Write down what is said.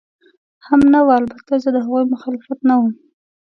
هم نه وه، البته زه د هغوی مخالف نه ووم.